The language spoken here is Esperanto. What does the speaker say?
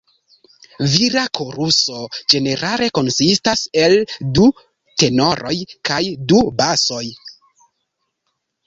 Vira koruso ĝenerale konsistas el du tenoroj kaj du basoj.